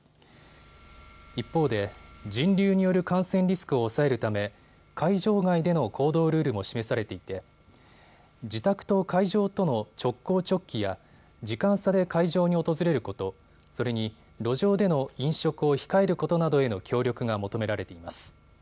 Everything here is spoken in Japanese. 一方で人流による感染リスクを抑えるため会場外での行動ルールも示されていて自宅と会場との直行直帰や、時間差で会場に訪れること、それに路上での飲食を控えることなどへの協力が求められています。